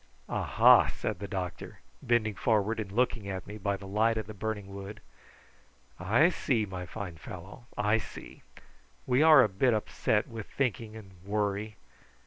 "Aha!" said the doctor, bending forward and looking at me by the light of the burning wood, "I see, my fine fellow, I see. We are a bit upset with thinking and worry.